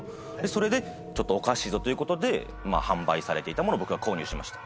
それでちょっとおかしいぞということで販売されていたものを僕が購入しました。